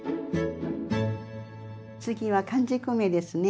次は完熟梅ですね。